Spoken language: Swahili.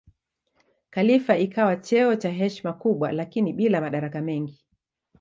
Khalifa ikawa cheo cha heshima kubwa lakini bila madaraka mengi.